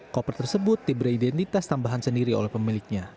koper tersebut diberi identitas tambahan sendiri oleh pemiliknya